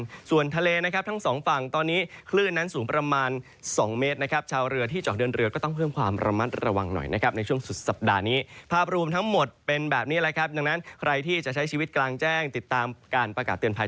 ส่วนทะเลนะครับทั้งสองฝั่งตอนนี้คลื่นนั้นสูงประมาณ๒เมตรนะครับชาวเรือที่เจาะเดินเรือก็ต้องเพิ่มความระมัดระวังหน่อยนะครับในช่วงสุดสัปดาห์นี้ภาพรวมทั้งหมดเป็นแบบนี้แหละครับดังนั้นใครที่จะใช้ชีวิตกลางแจ้งติดตามการประกาศเตือนภัย